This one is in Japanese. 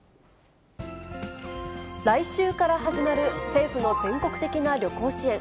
来週から始まる政府の全国的な旅行支援。